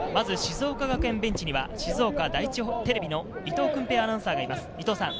静岡学園ベンチには静岡第一テレビの伊藤薫平アナウンサーがいます。